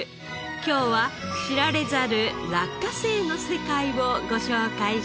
今日は知られざる落花生の世界をご紹介します。